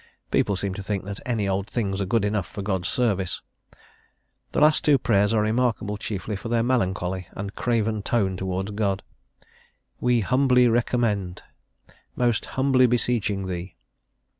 People seem to think that any old things are good enough for God's service. The last two prayers are remarkable chiefly for their melancholy and 'craven tone towards God: "we humbly recomment," "most humbly beseeching thee."